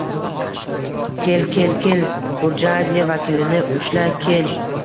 — Kel, kel! Kel, burjuaziya vakilini ushla! Kel